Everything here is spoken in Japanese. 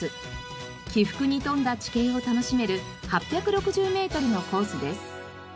起伏に富んだ地形を楽しめる８６０メートルのコースです。